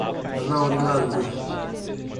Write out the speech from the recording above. Anaurilândia